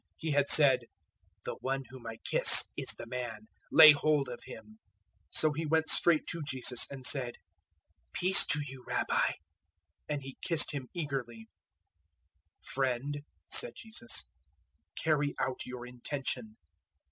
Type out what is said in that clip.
He had said, "The one whom I kiss is the man: lay hold of him." 026:049 So he went straight to Jesus and said, "Peace to you, Rabbi!" And he kissed Him eagerly. 026:050 "Friend," said Jesus, "carry out your intention."